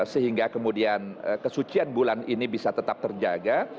sehingga kemudian kesucian bulan ini bisa tetap terjaga